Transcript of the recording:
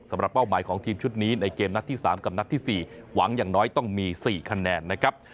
เป้าหมายของทีมชุดนี้ในเกมนัดที่๓กับนัดที่๔หวังอย่างน้อยต้องมี๔คะแนนนะครับ